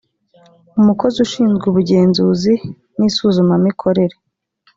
umukozi ushinzwe ubugenzuzi n’ isuzumamikorere